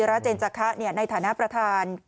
เกิดว่าจะต้องมาตั้งโรงพยาบาลสนามตรงนี้